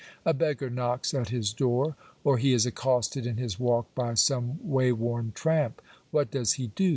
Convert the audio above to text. A beg gar knocks at his door ; or he is accosted in his walk by some way worn tramp. What does he do